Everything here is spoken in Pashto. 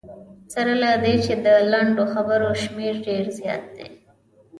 سره له دې چې د لنډو خبرو شمېر ډېر زیات دی.